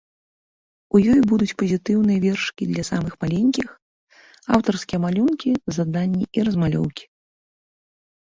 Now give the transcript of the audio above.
У ёй будуць пазітыўныя вершыкі для самых маленькіх, аўтарскія малюнкі, заданні і размалёўкі.